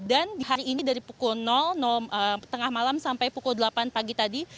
dan hari ini dari pukul tengah malam sampai pukul delapan pagi tadi